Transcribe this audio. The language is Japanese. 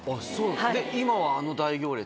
今はあの大行列？